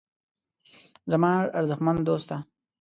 زما ارزښتمن دوسته.